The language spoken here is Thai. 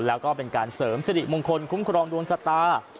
แล้วก็เป็นการเสริมสิริมงคลคุ้มครองดวงชะตา